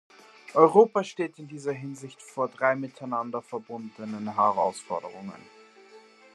Europa steht in dieser Hinsicht vor drei miteinander verbundenen Herausforderungen.